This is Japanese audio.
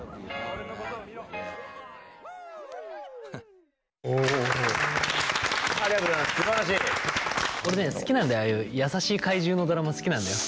俺ね好きなんだよああいう優しい怪獣のドラマ好きなんだよ。